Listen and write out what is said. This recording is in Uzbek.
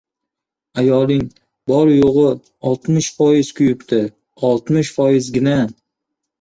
Ayoling bor-yo‘g‘i oltmish foiz kuyibdi, oltmish foizgina!